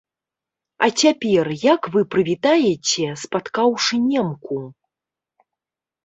А цяпер, як вы прывітаеце, спаткаўшы немку?